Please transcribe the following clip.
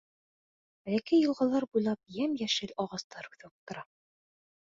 Бәләкәй йылғалар буйлап йәм-йәшел ағастар үҫеп ултыра.